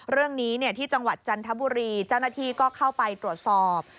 เรื่องนี้ที่จังหวัดจันทบุรีเจ้าหน้าที่ก็เข้าไปตรวจสอบ